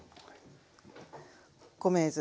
米酢。